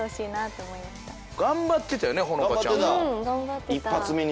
頑張ってた！